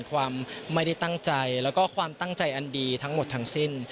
ความไม่ได้ตั้งใจแล้วก็ความตั้งใจอันดีทั้งหมดทั้งสิ้น